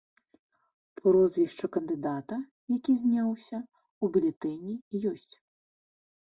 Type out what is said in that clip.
Прозвішча кандыдата, які зняўся, у бюлетэні ёсць.